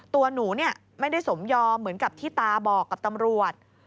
ตัวหนูไม่ได้สมยอมเหมือนกับที่ตาบอกกับตำรวจ